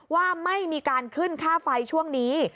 ว่าไม่มีการขึ้นค่าไฟช่วงนี้